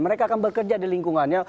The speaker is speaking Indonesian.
mereka akan bekerja di lingkungannya